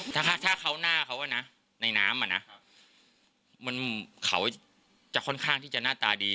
ถ้าถ้าเขาหน้าเขาในน้ำอ่ะนะเขาจะค่อนข้างที่จะหน้าตาดี